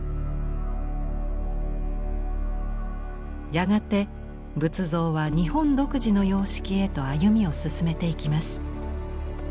やがて仏像は日本独自の様式へと歩みを進めていきます。